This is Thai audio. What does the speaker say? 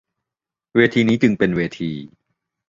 เวทีนี้จึงเป็นเวที